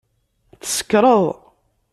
Tsekṛeḍ!